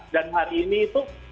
dan hari ini itu